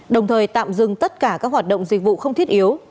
đồng thời tạm dừng tất cả các hoạt động dịch vụ không thiết yếu